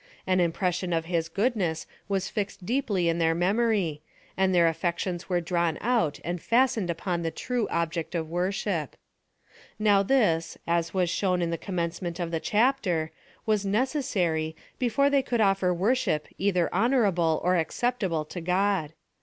An impression of his goodness was fixed deeply in their memory, and tlieir affections were drawn out and fastened upon the true object of worship. Now this, as was shown in the commencement of the chapter, was necessa ry, before they could offer worship either honora ble or acceptable to God.